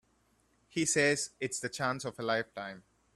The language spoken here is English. He says it's the chance of a lifetime.